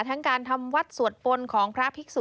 ทั้งการทำวัดสวดปนของพระภิกษุ